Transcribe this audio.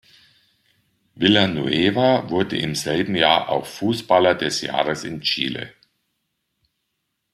Villanueva wurde im selben Jahr auch Fußballer des Jahres in Chile.